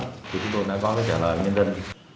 thì chúng tôi đã có cái trả lời cho nhân dân